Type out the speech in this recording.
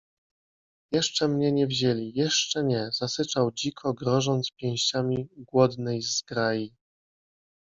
- Jeszcze mnie nie wzięli! Jeszcze nie! - zasyczał dziko, grożąc pięściami głodnej zgrai;